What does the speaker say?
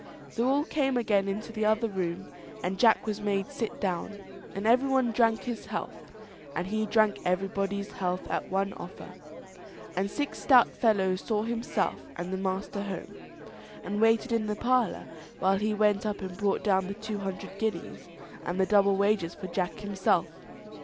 So all came again into the other room, and Jack was made sit down, and everybody drank his health, and he drank everybody's health at one offer. And six stout fellows saw himself and the master home, and waited in the parlour while he went up and brought down the two hundred guineas, and double wages for Jack himself.